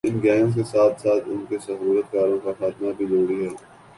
ان gangs کے ساتھ ساتھ انکے سہولت کاروں کا خاتمہ بھی ضروری ہے